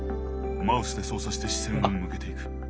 マウスで操作して視線を向けていく。